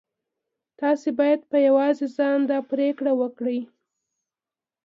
تاسې بايد په يوازې ځان دا پرېکړه وکړئ.